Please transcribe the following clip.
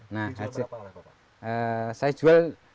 nah saya jual